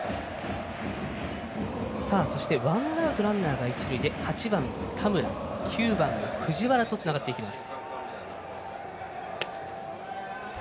そして、ワンアウトランナーが一塁で８番の田村９番の藤原とつながっていきます。